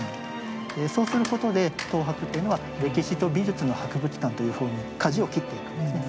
そうすることで東博というのは歴史と美術の博物館というふうにかじを切っていくんですね。